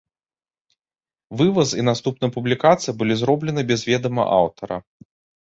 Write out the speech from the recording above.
Вываз і наступная публікацыя былі зроблены без ведама аўтара.